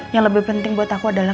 yang lebih penting buat aku adalah